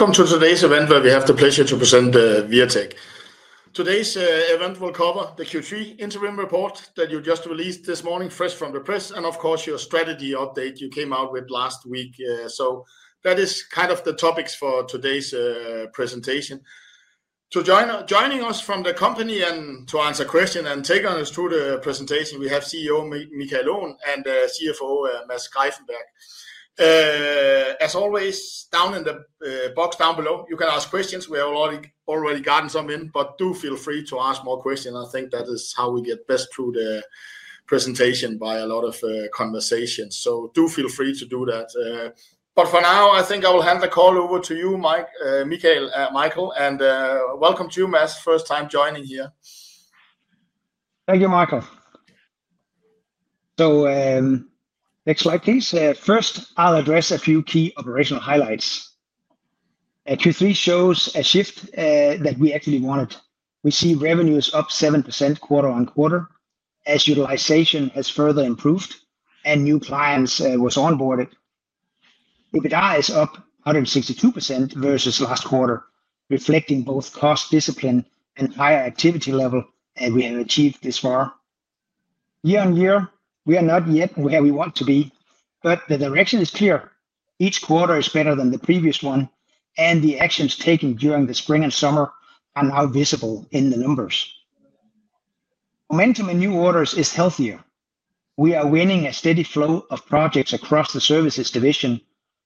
Welcome to today's event where we have the pleasure to present Wirtek. Today's event will cover the Q3 Interim report that you just released this morning, fresh from the press, and of course your strategy update you came out with last week. That is kind of the topics for Today's Presentation. Joining us from the company and to answer questions and take us through the presentation, we have CEO Michael Aaen and CFO Mads Greiffenberg. As always, down in the box down below, you can ask questions. We have already gotten some in, but do feel free to ask more questions. I think that is how we get best through the presentation by a lot of conversations. Do feel free to do that. For now, I think I will hand the call over to you, Michael, and welcome to you, Mads. First time joining here. Thank you, Michael. Next slide, please. First, I'll address a few key operational highlights. Q3 shows a shift that we actually wanted. We see revenues up 7% quarter-on-quarter as utilization has further improved and new clients were onboarded. EBITDA is up 162% versus last quarter, reflecting both cost discipline and higher activity level that we have achieved this far. Year on year, we are not yet where we want to be, but the direction is clear. Each quarter is better than the previous one, and the actions taken during the spring and summer are now visible in the numbers. Momentum in new orders is healthier. We are winning a Steady Flow of projects across the services division,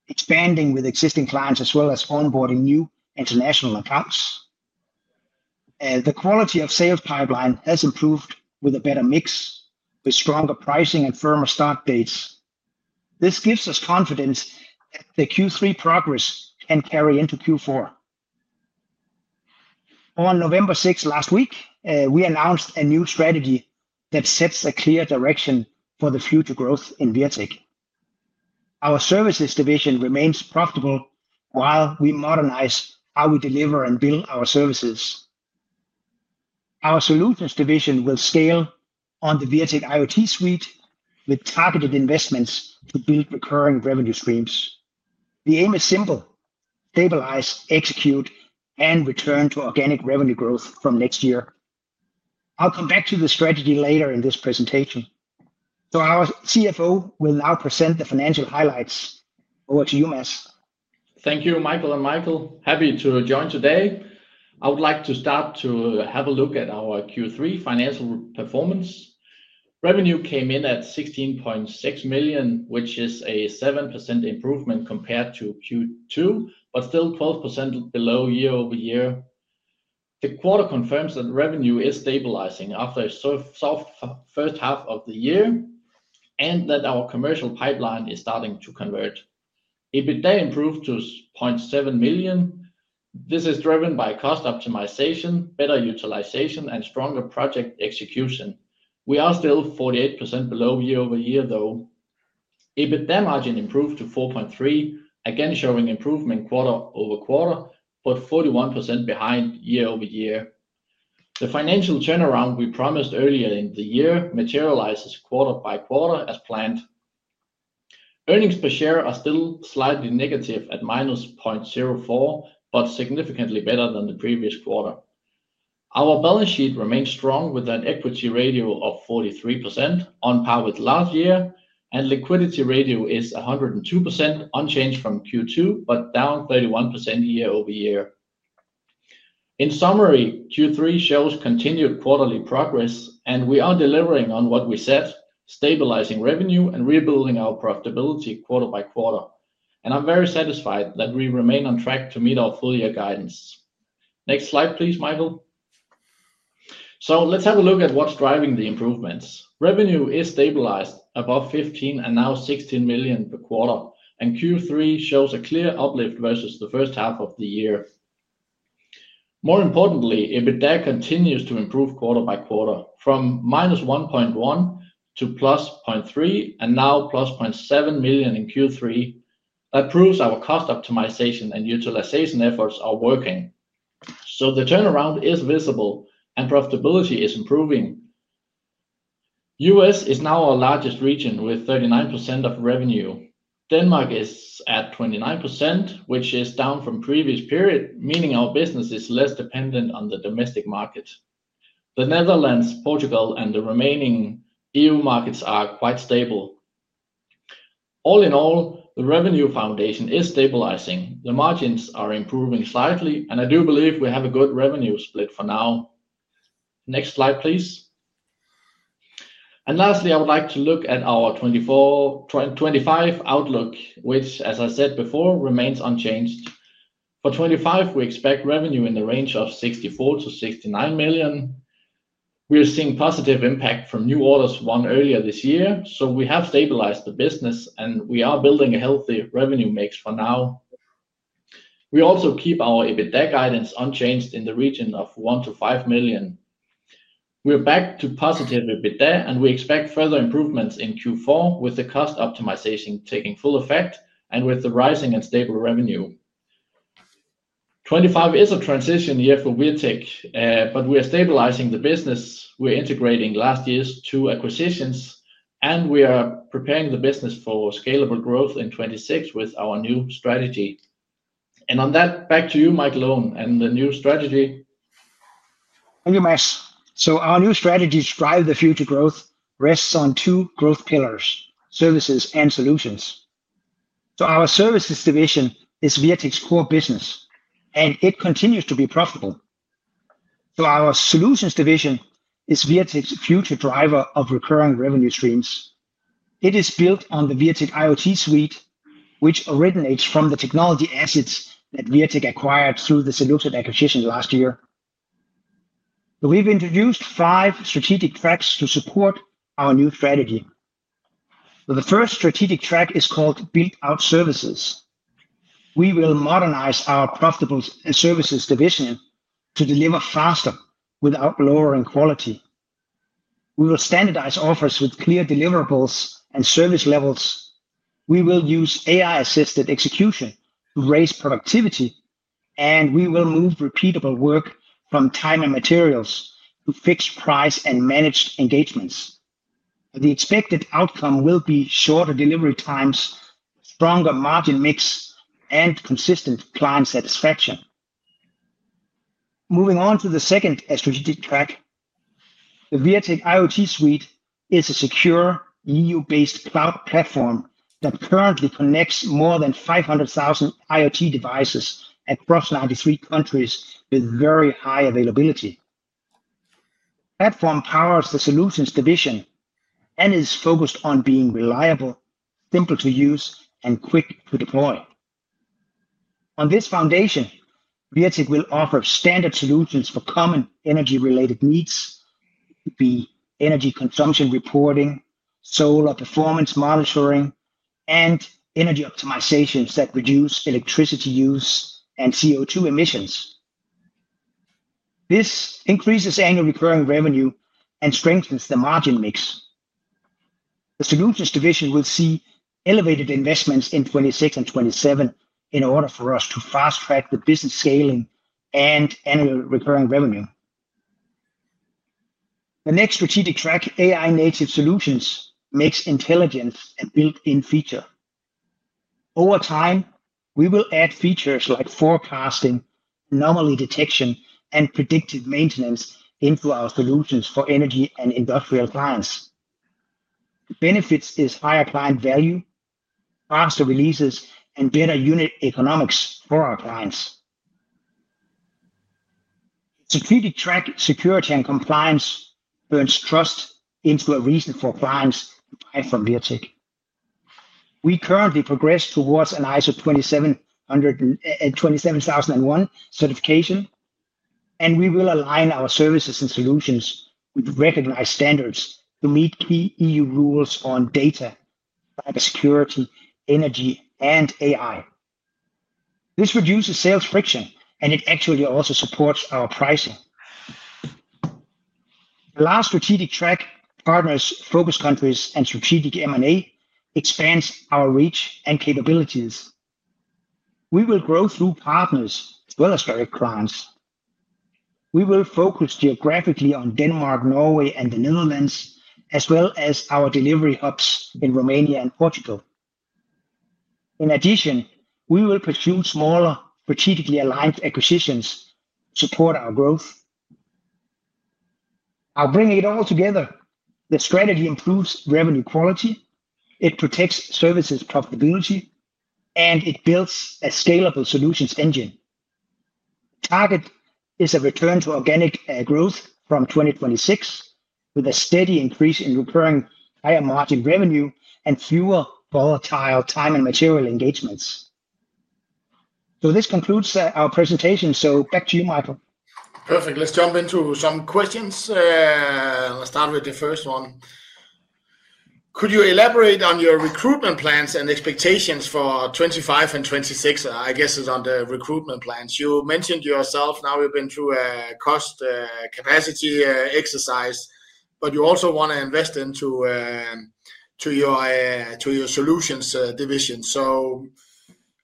expanding with existing clients as well as onboarding new international accounts. The quality of sales pipeline has improved with a better mix, with stronger Pricing and Firmer start dates. This gives us confidence that the Q3 Progress can carry into Q4. On November 6th last week, we announced a new strategy that sets a clear direction for the future growth in Wirtek. Our Services Division remains profitable while we modernize how we deliver and build our Services. Our Solutions Division will scale on the Wirtek IoT Suite with Targeted Investments to build Recurring Revenue Streams. The aim is simple: stabilize, execute, and return to organic revenue growth from next year. I'll come back to the strategy later in this presentation. Our CFO will now present the financial highlights. Over to you, Mads. Thank you, Michael Aaen and Michael. Happy to join today. I would like to start to have a look at our Q3 Financial Performance. Revenue came in at 16.6 million, which is a 7% improvement compared to Q2, but still 12% below year-over-year. The quarter confirms that revenue is stabilizing after a soft first half of the year and that our commercial pipeline is starting to convert. EBITDA improved to 0.7 million. This is driven by Cost Optimization, better Utilization, and stronger Project Execution. We are still 48% below year-over-year, though. EBITDA Margin improved to 4.3%, again showing improvement quarter over quarter, but 41% behind year-over-year. The financial turnaround we promised earlier in the year materializes quarter by quarter as planned. Earnings per share are still slightly negative at -0.04, but significantly better than the previous quarter. Our balance sheet remains strong with an Equity Ratio of 43% on par with last year, and Liquidity Ratio is 102%, unchanged from Q2, but down 31% year-over-year. In summary, Q3 shows continued quarterly progress, and we are delivering on what we set, stabilizing revenue and rebuilding our profitability quarter-by-quarter. I am very satisfied that we remain on track to meet our full year guidance. Next slide, please, Michael. Let's have a look at what's driving the improvements. Revenue is stabilized above 15 and now 16 million per quarter, and Q3 shows a clear uplift versus the first half of the year. More importantly, EBITDA continues to improve quarter by quarter from -1.1 to +0.3 and now +0.7 million in Q3. That proves our Cost Optimization and Utilization efforts are working. The turnaround is visible and Profitability is improving. U.S. is now our largest region with 39% of revenue. Denmark is at 29%, which is down from previous period, meaning our business is less dependent on the Domestic Market. The Netherlands, Portugal, and the remaining EU markets are quite stable. All in all, the Revenue Foundation is stabilizing. The margins are improving slightly, and I do believe we have a good revenue split for now. Next slide, please. Lastly, I would like to look at our 2025 outlook, which, as I said before, remains unchanged. For 2025, we expect revenue in the range of 64-69 million. We're seeing positive impact from new orders won earlier this year, so we have stabilized the business and we are building a healthy revenue mix for now. We also keep our EBITDA Guidance unchanged in the region of 1-5 million. We're back to positive EBITDA and we expect further improvements in Q4 with the Cost Optimization taking full effect and with the rising and stable revenue. 2025 is a transition year for Wirtek, but we are stabilizing the business. We're integrating last year's two acquisitions and we are preparing the business for scalable growth in 2026 with our new strategy. On that, back to you, Michael Aaen and the new strategy. Thank you, Mads. Our new strategy to drive the future growth rests on two growth pillars: Services and Solutions. Our Services Division is Wirtek's core business and it continues to be profitable. Our Solutions Division is Wirtek's future driver of Recurring Revenue Streams. It is built on the Wirtek IoT suite, which originates from the technology assets that Wirtek acquired through the Solution Acquisition last year. We have introduced five strategic tracks to support our new strategy. The first strategic track is called Build-Out Services. We will modernize our Profitable Services division to deliver faster without lowering quality. We will standardize offers with clear deliverables and service levels. We will use AI-Assisted execution to raise productivity, and we will move repeatable work from time and materials to fixed price and managed engagements. The expected outcome will be shorter delivery times, stronger margin mix, and consistent client satisfaction. Moving on to the Second Strategic Track, the Wirtek IoT Suite is a secure EU-based Cloud Platform that currently connects more than 500,000 IoT Devices across 93 countries with very high availability. The platform powers the solutions division and is focused on being reliable, simple to use, and quick to deploy. On this Foundation, Wirtek will offer standard solutions for common energy-related needs, be it energy consumption reporting, solar performance monitoring, and energy optimizations that reduce electricity use and CO2 emissions. This increases annual recurring revenue and strengthens the Margin Mix. The solutions division will see elevated investments in 2026 and 2027 in order for us to fast-track the Business Scaling and Annual Recurring Revenue. The next Strategic Track, AI-Native solutions, makes intelligence a built-in feature. Over time, we will add features like forecasting, anomaly detection, and predictive maintenance into our solutions for energy and industrial clients. The benefits are higher client value, faster releases, and better unit economics for our clients. The Strategic Track, security and compliance, burns trust into a reason for clients to buy from Wirtek. We currently progress towards an ISO 27001 Certification, and we will align our services and solutions with recognized standards to meet key EU rules on Data, Cybersecurity, Energy, and AI. This reduces sales friction, and it actually also supports our pricing. The last Strategic Track, Partners, Focus Countries, and Strategic M&A, expands our reach and capabilities. We will grow through partners as well as direct clients. We will focus geographically on Denmark, Norway, and the Netherlands, as well as our Delivery Hubs in Romania and Portugal. In addition, we will pursue smaller strategically aligned acquisitions to support our growth. By bringing it all together, the strategy improves revenue quality, it protects services profitability, and it builds a scalable solutions engine. The target is a return to organic growth from 2026 with a steady increase in recurring higher margin revenue and fewer Volatile Time and Material Engagements. This concludes our presentation. Back to you, Michael. Perfect. Let's jump into some questions. Let's start with the first one. Could you elaborate on your Recruitment Plans and expectations for 2025 and 2026? I guess it's on the recruitment plans. You mentioned yourself, now you've been through a Cost Capacity Exercise, but you also want to invest into your Solutions Division.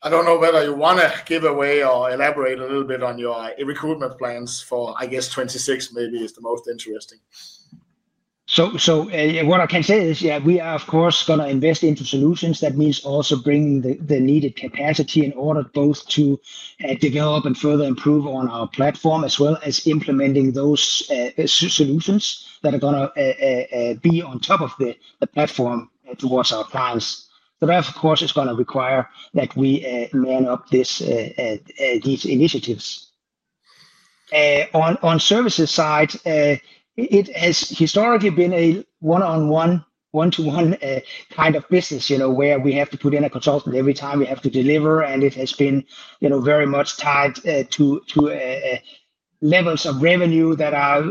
I don't know whether you want to give away or elaborate a little bit on your recruitment plans for, I guess, 2026 maybe is the most interesting. What I can say is, yeah, we are, of course, going to invest into solutions. That means also bringing the needed capacity in order both to develop and further improve on our platform as well as implementing those solutions that are going to be on top of the platform towards our clients. That, of course, is going to require that we man up these initiatives. On Services Side, it has historically been a one-on-one, one-to-one kind of business where we have to put in a consulant every time we have to deliver, and it has been very much tied to levels of revenue that are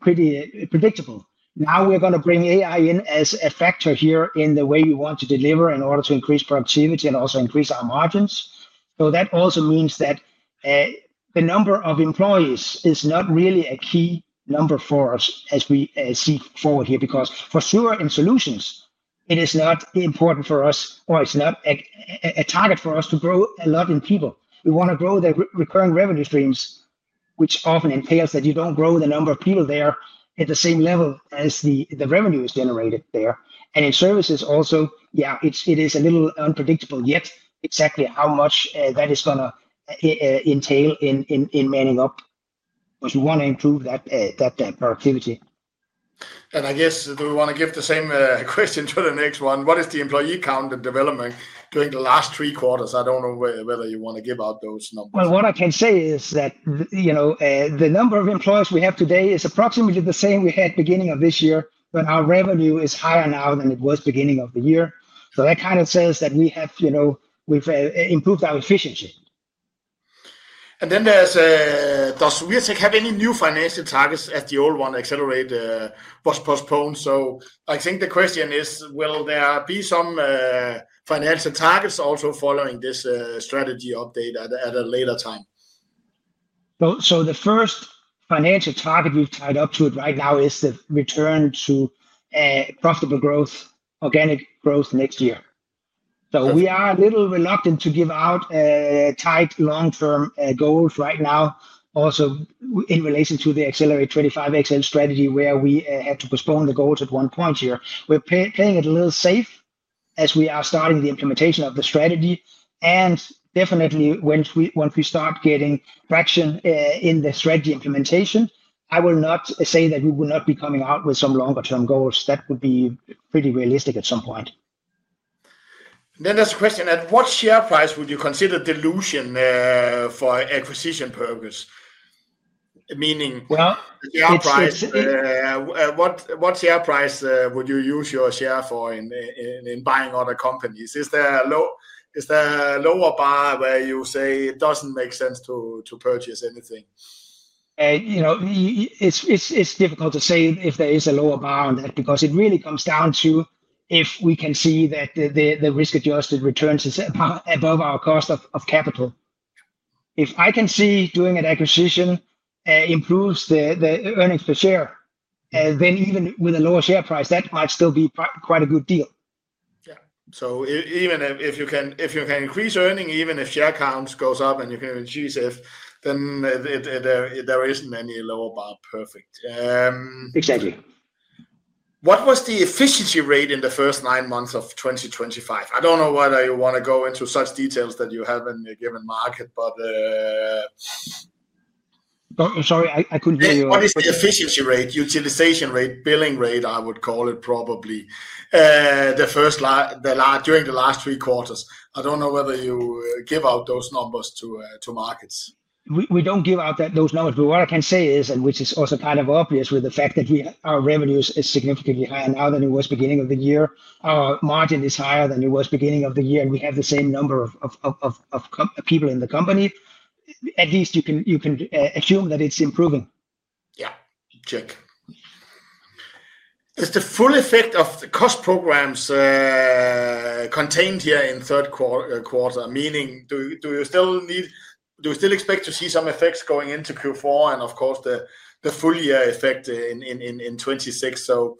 pretty predictable. Now we're going to bring AI in as a factor here in the way we want to deliver in order to increase productivity and also increase our Margins. That also means that the number of employees is not really a key number for us as we see forward here because for sure in solutions, it is not important for us or it's not a target for us to grow a lot in people. We want to grow the Recurring Revenue Streams, which often entails that you do not grow the number of people there at the same level as the revenue is generated there. In Services also, yeah, it is a little unpredictable yet exactly how much that is going to entail in manning up because we want to improve that productivity. I guess we want to give the same question to the next one. What is the Employee Count and Development during the last three quarters? I don't know whether you want to give out those numbers. What I can say is that the number of employees we have today is approximately the same we had beginning of this year, but our revenue is higher now than it was beginning of the year. So that kind of says that we have improved our efficiency. Does Wirtek have any new Financial Targets as the old one Accelerate was postponed? I think the question is, will there be some Financial Targets also following this strategy update at a later time? The first Financial Target we've tied up to it right now is the return to Profitable Growth, Organic Growth next year. We are a little reluctant to give out tight long-term goals right now, also in relation to the Accelerate25XL Strategy where we had to postpone the goals at one point here. We're playing it a little safe as we are starting the implementation of the strategy. Definitely, once we start getting traction in the strategy implementation, I will not say that we will not be coming out with some longer-term goals. That would be pretty realistic at some point. There is a question at what share price would you consider Dilution for Acquisition purposes? Meaning share price. What share price would you use your share for in buying other companies? Is there a lower bar where you say it does not make sense to purchase anything? It's difficult to say if there is a lower bar on that because it really comes down to if we can see that the risk-adjusted returns is above our cost of capital. If I can see doing an Acquisition improves the earnings per share, then even with a lower share price, that might still be quite a good deal. Yeah. So even if you can increase earning, even if share count goes up and you can increase it, then there isn't any lower bar. Perfect. Exactly. What was the Efficiency Rate in the first nine months of 2025? I don't know whether you want to go into such details that you have in a given market, but. Sorry, I couldn't hear you. What is the Efficiency Rate, Utilization Rate, Billing Rate, I would call it probably, during the last three quarters? I don't know whether you give out those numbers to markets. We don't give out those numbers. What I can say is, and which is also kind of obvious with the fact that our revenue is significantly higher now than it was beginning of the year, our margin is higher than it was beginning of the year, and we have the same number of people in the company. At least you can assume that it's improving. Yeah. Check. Is the full effect of the Cost Programs contained here in third quarter? Meaning, do you still expect to see some effects going into Q4 and, of course, the full year effect in 2026? So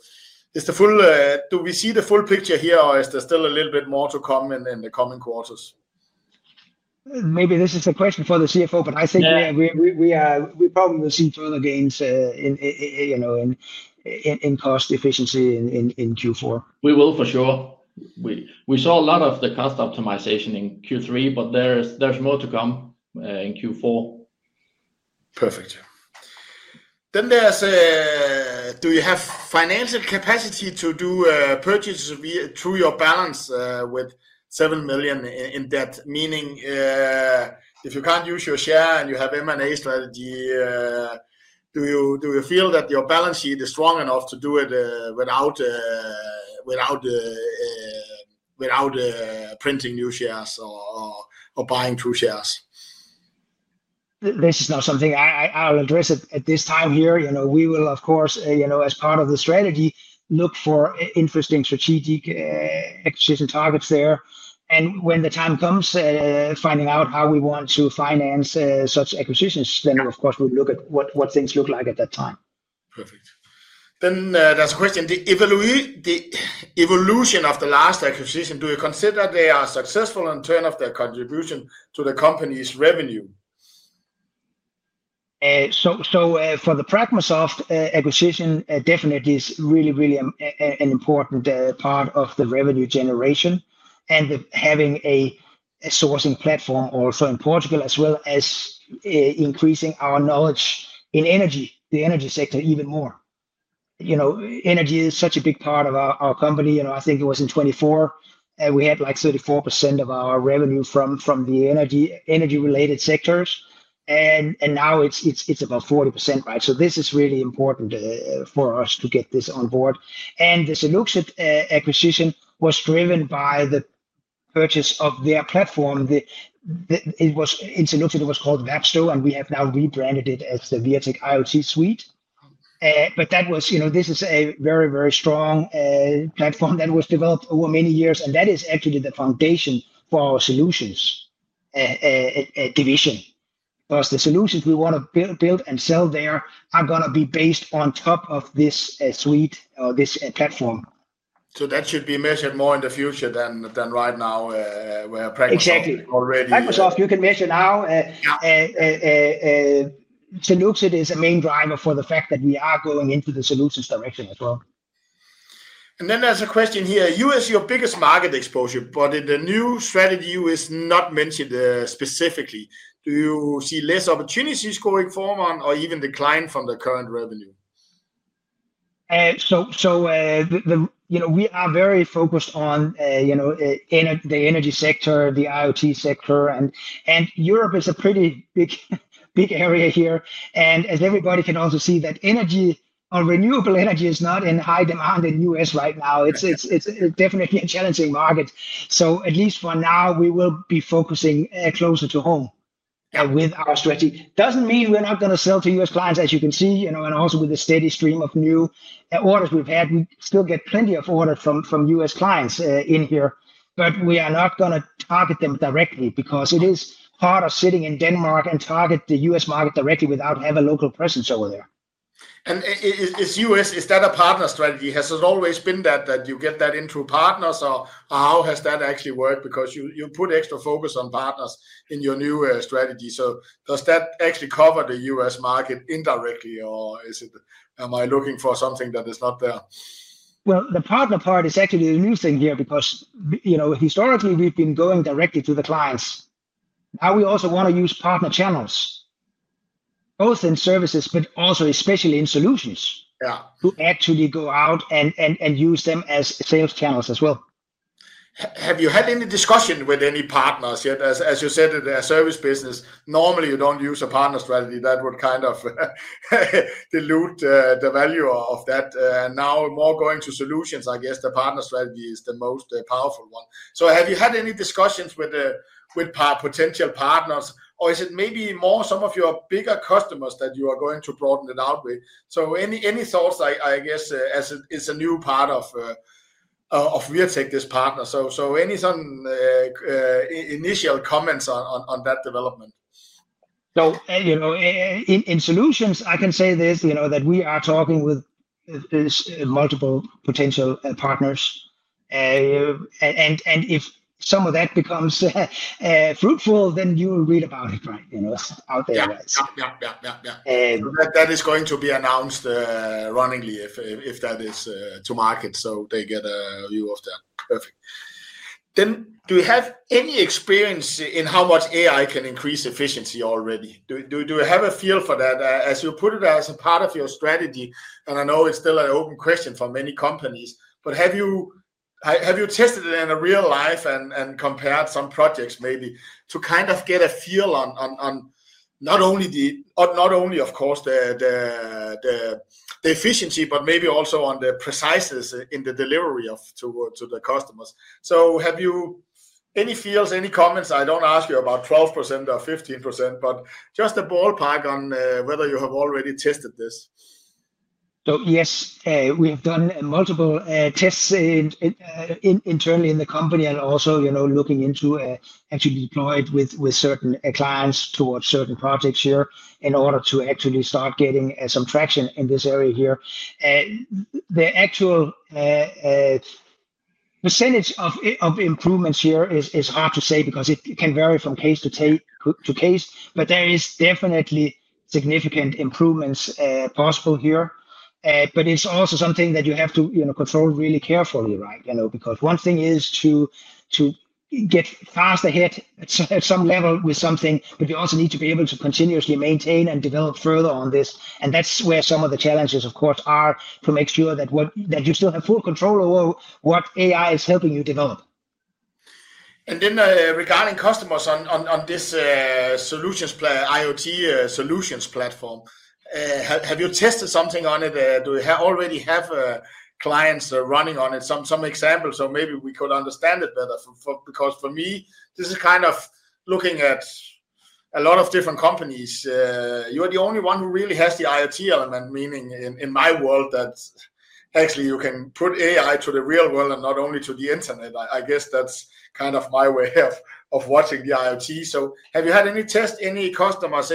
do we see the full picture here or is there still a little bit more to come in the coming quarters? Maybe this is a question for the CFO, but I think we probably will see further gains in cost efficiency in Q4. We will for sure. We saw a lot of the Cost Optimization in Q3, but there's more to come in Q4. Perfect. Do you have Financial Capacity to do purchases through your balance with 7 million in debt? Meaning, if you can't use your share and you have M&A Strategy, do you feel that your Balance Sheet is strong enough to do it without printing New Shares or buying through Shares? This is not something I'll address at this time here. We will, of course, as part of the strategy, look for interesting strategic acquisition targets there. When the time comes, finding out how we want to finance such acquisitions, then of course, we'll look at what things look like at that time. Perfect. There is a question. The evolution of the last Acquisition, do you consider they are successful in terms of their contribution to the Company's Revenue? For the PragmaSoft acquisition, it definitely is really, really an important part of the revenue generation and having a sourcing platform also in Portugal, as well as increasing our knowledge in energy, the Energy Sector even more. Energy is such a big part of our company. I think it was in 2024, we had like 34% of our revenue from the energy-related sectors. Now it is about 40%, right? This is really important for us to get this on board. The Solution acquisition was driven by the purchase of their platform. In Solution, it was called Vapsto, and we have now rebranded it as the Wirtek IoT Suite. This is a very, very strong platform that was developed over many years, and that is actually the foundation for our solutions division. Because the solutions we want to build and sell there are going to be based on top of this suite or this platform. That should be measured more in the future than right now, where PragmaSoft is already. Exactly. PragmaSoft, you can measure now. Solution is a main driver for the fact that we are going into the solutions direction as well. There is a question here. U.S. is your biggest market exposure, but in the new Strategy, U.S. is not mentioned specifically. Do you see less opportunities going forward or even decline from the current revenue? We are very focused on the Energy Sector, the IoT Sector, and Europe is a pretty big area here. As everybody can also see, renewable energy is not in high demand in the U.S. right now. It is definitely a challenging market. At least for now, we will be focusing closer to home with our strategy. That does not mean we are not going to sell to U.S. Clients, as you can see. Also, with the steady stream of new orders we have had, we still get plenty of orders from U.S. Clients in here. We are not going to target them directly because it is harder sitting in Denmark and targeting the U.S. Market directly without having a local presence over there. Is that a partner strategy? Has it always been that you get that into partners or how has that actually worked? Because you put extra focus on partners in your new strategy. Does that actually cover the U.S. Market indirectly or am I looking for something that is not there? The partner part is actually a new thing here because historically, we've been going directly to the clients. Now we also want to use partner channels, both in services, but also especially in solutions to actually go out and use them as sales channels as well. Have you had any discussion with any partners yet? As you said, a service business, normally you don't use a partner strategy. That would kind of dilute the value of that. Now more going to solutions, I guess the partner strategy is the most powerful one. Have you had any discussions with potential partners or is it maybe more some of your bigger customers that you are going to broaden it out with? Any thoughts, I guess, as it is a new part of Wirtek, this partner? Any sort of initial comments on that development? In solutions, I can say this: that we are talking with multiple potential partners. If some of that becomes fruitful, then you will read about it, right, out there? Yeah. That is going to be announced runningly if that is to market so they get a view of that. Perfect. Do you have any experience in how much AI can increase efficiency already? Do you have a feel for that? As you put it as a part of your strategy, and I know it's still an open question for many companies, but have you tested it in real life and compared some projects maybe to kind of get a feel on not only, of course, the efficiency, but maybe also on the preciseness in the delivery to the customers? Have you any feels, any comments? I do not ask you about 12% or 15%, but just a ballpark on whether you have already tested this. Yes, we have done multiple tests internally in the company and also looking into actually deploying with certain clients towards certain projects here in order to actually start getting some traction in this area here. The actual percentage of improvements here is hard to say because it can vary from case to case, but there is definitely significant improvements possible here. It is also something that you have to control really carefully, right? Because one thing is to get fast ahead at some level with something, but you also need to be able to continuously maintain and develop further on this. That is where some of the challenges, of course, are to make sure that you still have full control over what AI is helping you develop. Regarding customers on this IoT Solutions Platform, have you tested something on it? Do you already have clients running on it? Some examples so maybe we could understand it better. For me, this is kind of looking at a lot of different companies. You are the only one who really has the IoT Element, meaning in my world that actually you can put AI to the real world and not only to the internet. I guess that's kind of my way of watching the IoT. Have you had any tests, any customers,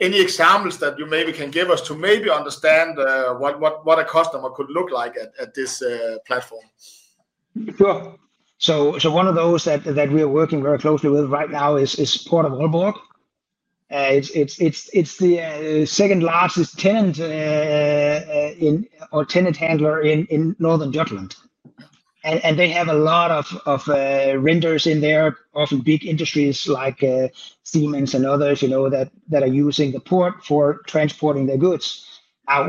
any examples that you maybe can give us to maybe understand what a customer could look like at this platform? Sure. One of those that we are working very closely with right now is Port of Aalborg. It is the second largest tenant or tenant handler in Northern Jutland. They have a lot of renters in there, often big industries like Siemens and others that are using the port for transporting their goods.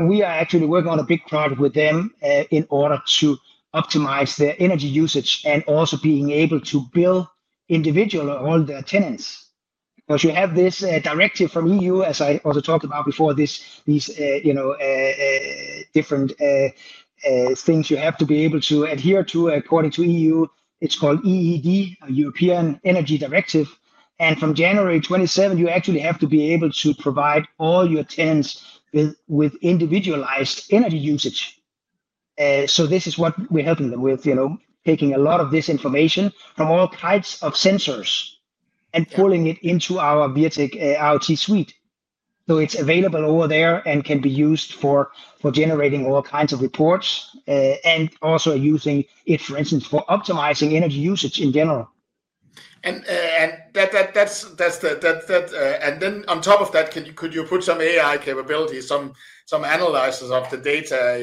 We are actually working on a big project with them in order to optimize their energy usage and also being able to bill individual or all their Tenants. Because you have this directive from EU, as I also talked about before, these different things you have to be able to adhere to according to EU. It is called EED, European Energy Directive. From January 2027, you actually have to be able to provide all your Tenants with individualized Energy Usage. This is what we're helping them with, taking a lot of this information from all kinds of sensors and pulling it into our Wirtek IoT Suite. It is available over there and can be used for generating all kinds of reports and also using it, for instance, for optimizing energy usage in general. Then on top of that, could you put some AI Capabilities, some analyzers of the data,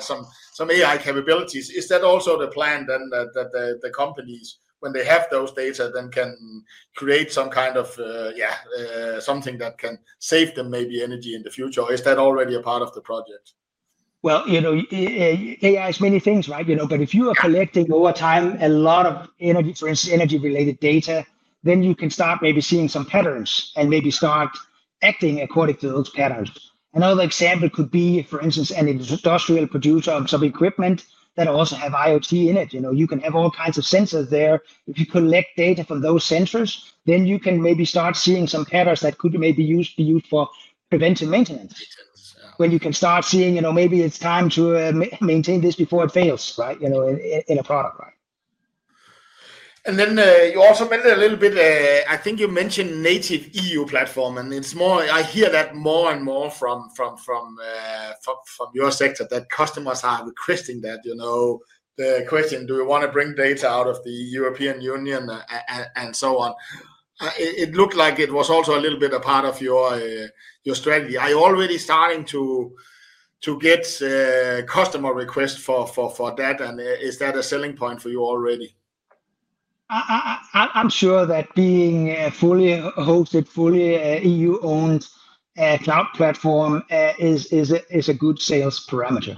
some AI Capabilities? Is that also the plan then that the companies, when they have those data, then can create some kind of, yeah, something that can save them maybe energy in the future? Or is that already a part of the project? AI is many things, right? If you are collecting over time a lot of, for instance, energy-related data, then you can start maybe seeing some patterns and maybe start acting according to those patterns. Another example could be, for instance, an industrial producer of some equipment that also has IoT in it. You can have all kinds of sensors there. If you collect data from those sensors, then you can maybe start seeing some patterns that could maybe be used for preventive maintenance, when you can start seeing maybe it's time to maintain this before it fails in a product. You also mentioned a little bit, I think you mentioned native EU Platform. I hear that more and more from your sector that customers are requesting that. The question, do you want to bring data out of the European Union and so on? It looked like it was also a little bit a part of your strategy. Are you already starting to get customer requests for that? Is that a selling point for you already? I'm sure that being fully hosted, fully EU-owned Cloud Platform is a good sales parameter.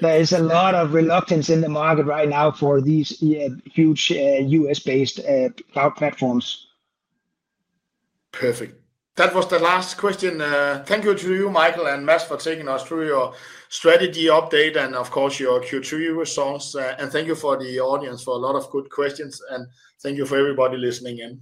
There is a lot of reluctance in the market right now for these huge U.S.-based Cloud Platforms. Perfect. That was the last question. Thank you to you, Michael and Mads, for taking us through your strategy update and, of course, your Q2 results. Thank you for the audience for a lot of good questions. Thank you for everybody listening in.